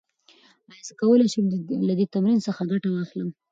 ایا زه کولی شم له دې تمرین څخه ګټه واخلم؟